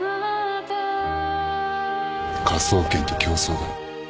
科捜研と競争だ。